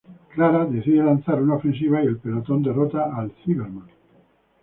Clara decide lanzar una ofensiva y el pelotón derrota al Cyberman.